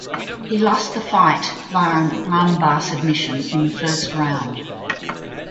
He lost the fight via an armbar submission in the first round.